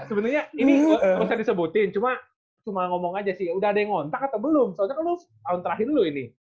sebenernya ini gak usah disebutin cuma cuma ngomong aja sih udah ada yang ngontak atau belum soalnya kan lu tahun terakhir lu ini